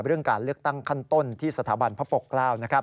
เรื่องการเลือกตั้งขั้นต้นที่สถาบันพระปกเกล้านะครับ